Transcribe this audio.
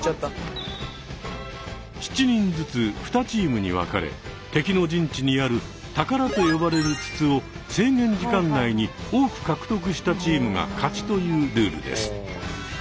７人ずつ２チームに分かれ敵の陣地にある宝と呼ばれる筒を制限時間内に多く獲得したチームが勝ちというルールです。